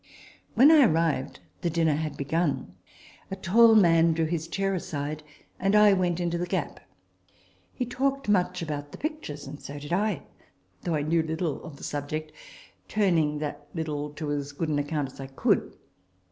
When I arrived the dinner was begun. A tall man drew his chair aside, and I went into the gap. He talked much about the pictures, and so did I, though I knew little of the subject, turning that little to as good an account as I could.